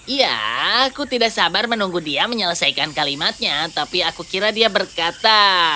ya aku tidak sabar menunggu dia menyelesaikan kalimatnya tapi aku kira dia berkata